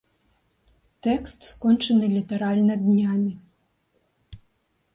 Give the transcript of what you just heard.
Тэкст скончаны літаральна днямі.